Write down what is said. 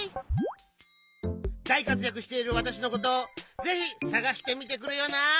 だいかつやくしているわたしのことをぜひさがしてみてくれよな。